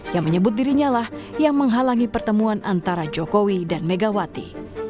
yang menyebut dirinya lah yang menghalangi pertemuan antara jokowi dan megawati